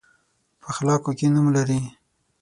په اخلاقو کې نوم لري.